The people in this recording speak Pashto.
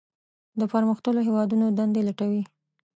د پرمختللو هیوادونو دندې لټوي.